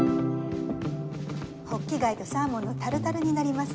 ホッキ貝とサーモンのタルタルになります。